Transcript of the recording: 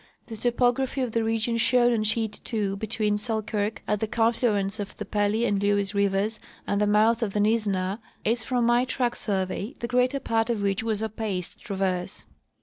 The topography of the region shown on sheet ii between Selkirk, at the confluence of the Pelly and Lewes rivers, and the mouth of the Nizzenah is from my track survey, the greater part of which was a paced traverse.